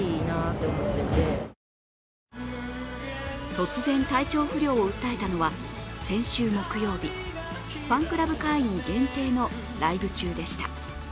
突然、体調不良を訴えたのは先週木曜日、ファンクラブ会員限定のライブ中でした。